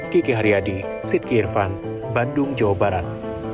kiki haryadi sidki irfan bandung jawa barat